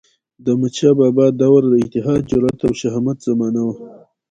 د احمدشاه بابا دور د اتحاد، جرئت او شهامت زمانه وه.